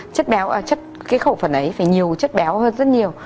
cái khẩu phần ấy phải nhiều chất béo hơn rất nhiều